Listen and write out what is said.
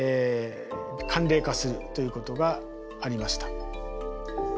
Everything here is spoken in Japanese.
寒冷化するということがありました。